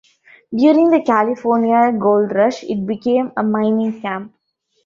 During the California Gold Rush, it became a mining camp.